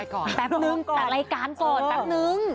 กลับรายการก่อน